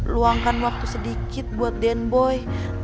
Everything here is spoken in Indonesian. luangkan waktu sedikit buat den boy